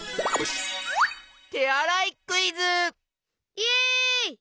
イエイ！